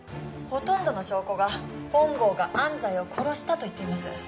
ほとんどの証拠が本郷が安西を殺したといっています。